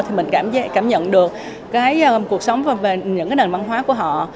thì mình cảm nhận được cuộc sống và những nền văn hóa của họ